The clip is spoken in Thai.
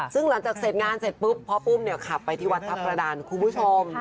ซึ่งหลังจากเสร็จงานเสร็จปุ๊บพ่อปุ้มเนี่ยขับไปที่วัดทัพกระดานคุณผู้ชม